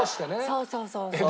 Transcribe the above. そうそうそうそう。